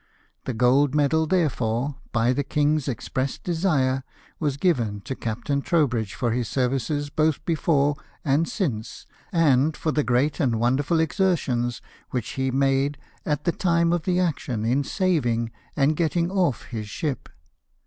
The gold medal therefore, by the king's express desire, was given to Captain Trowbridge for his services both before and since, and for the great and wonderful exertions which he made at the time of the action in saving and getting off his ship.